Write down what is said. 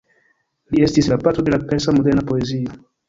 Li estis "la patro de la persa moderna poezio".